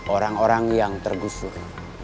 orang orang yang tergusur